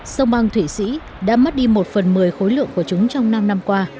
sông băng thủy sĩ đã mất đi một phần một mươi khối lượng của chúng trong năm năm qua